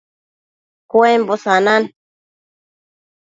Cuembo sanan